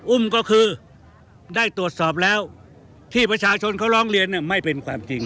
อุ้มก็คือได้ตรวจสอบแล้วที่ประชาชนเขาร้องเรียนไม่เป็นความจริง